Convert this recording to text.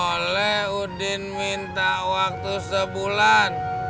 oleh udin minta waktu sebulan